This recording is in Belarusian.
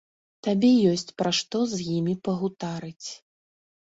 Табе ёсць пра што з імі пагутарыць.